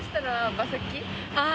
「あ！